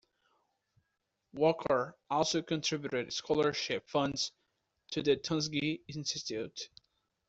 Walker also contributed scholarship funds to the Tuskegee Institute.